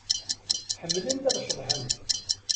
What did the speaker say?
Ḥemmlent ad ceḍḥent.